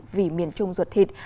vì miền trung ruột thịt